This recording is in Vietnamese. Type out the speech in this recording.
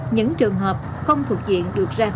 những trường hợp không thuộc diện được ra đường